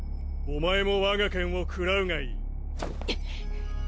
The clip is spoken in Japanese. お前も我が剣を食らうがいい。